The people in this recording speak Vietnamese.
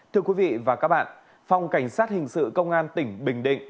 thưa quý vị và các bạn phòng cảnh sát hình sự công an tỉnh bình định